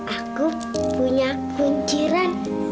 aku punya kunciran